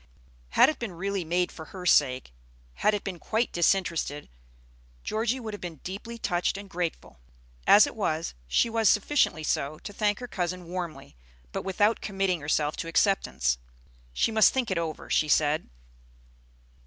Had it been really made for her sake, had it been quite disinterested, Georgie would have been deeply touched and grateful; as it was, she was sufficiently so to thank her cousin warmly, but without committing herself to acceptance. She must think it over, she said.